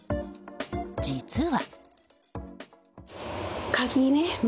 実は。